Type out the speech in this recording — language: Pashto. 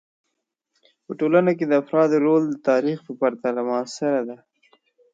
په ټولنه کې د افرادو رول د تاریخ په پرتله معاصر دی.